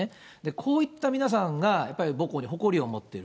こういった皆さんが、やっぱり母校に誇りを持っている。